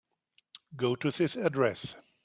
Go to this address.